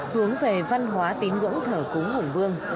hướng về văn hóa tín ngưỡng thờ cúng hùng vương